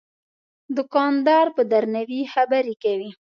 دوکاندار په درناوي خبرې کوي.